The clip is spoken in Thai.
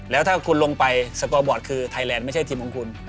แล้วถ้าคุณลงไปสกอร์บอร์ดคือไทยแลนด์ไม่ใช่ทีมของคุณ